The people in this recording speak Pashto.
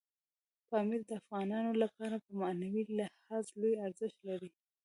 پامیر د افغانانو لپاره په معنوي لحاظ لوی ارزښت لري.